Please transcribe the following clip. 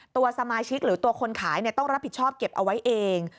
ตัวสมาชิกหรือตัวคนขายต้องรับผิดชอบเก็บเอาไว้เอง